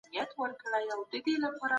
دي تور ښامار پېكى نه منم